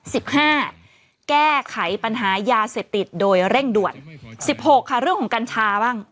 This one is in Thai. สิบห้าแก้ไขปัญหายาเสพติดโดยเร่งด่วนสิบหกค่ะเรื่องของกัญชาบ้าง